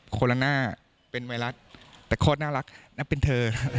โคลาน่าเป็นไวรัสแต่โคตรน่ารักนับเป็นเธอ